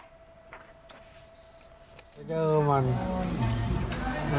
จะเจอมันแต่ว่าตัวได้เอ้าสินอนเลยอะ